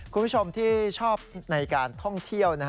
คุณผู้ชมที่ชอบในการท่องเที่ยว